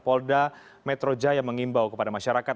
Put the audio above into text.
polda metro jaya mengimbau kepada masyarakat